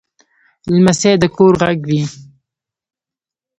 لمسی د کور غږ وي.